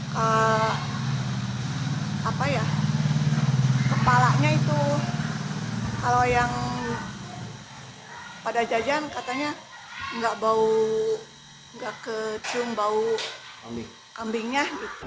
kepala kambing itu kalau yang pada jajan katanya gak kecium bau kambingnya